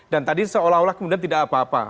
dan tadi seolah olah kemudian tidak apa apa